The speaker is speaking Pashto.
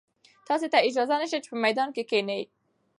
تاسي ته اجازه نشته چې په میدان کې کښېنئ.